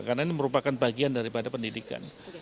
karena ini merupakan bagian daripada pendidikan